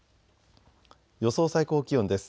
予想最高気温です。